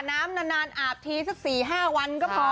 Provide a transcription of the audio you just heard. น้ำนานอาบทีสักสี่ห้าวันก็พอนะคะ